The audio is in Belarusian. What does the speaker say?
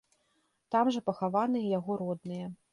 Там жа пахаваныя яго родныя.